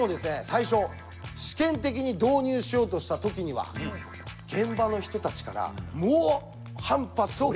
最初試験的に導入しようとした時には現場の人たちから猛反発を。